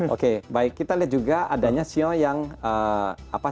oke baik kita lihat juga adanya sio yang apa